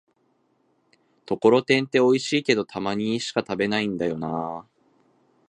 ところてんっておいしいけど、たまにしか食べないんだよなぁ